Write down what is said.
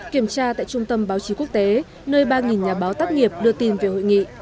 kiểm tra tại trung tâm báo chí quốc tế nơi ba nhà báo tác nghiệp đưa tin về hội nghị